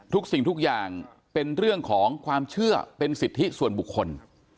สิ่งทุกอย่างเป็นเรื่องของความเชื่อเป็นสิทธิส่วนบุคคล